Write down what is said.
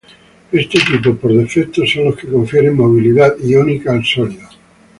Este tipo de defectos son los que confieren movilidad iónica al sólido.